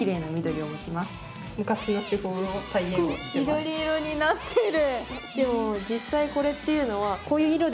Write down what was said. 緑色になってる。